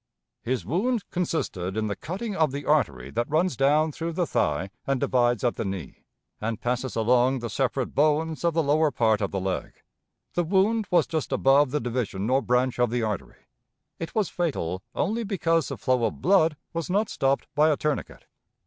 His wound consisted in the cutting of the artery that runs down through the thigh and divides at the knee, and passes along the separate bones of the lower part of the leg. The wound was just above the division or branch of the artery. It was fatal only because the flow of blood was not stopped by a tourniquet.